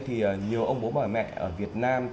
nhiều ông bố bà mẹ ở việt nam